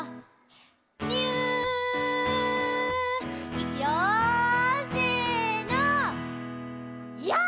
いくよせの。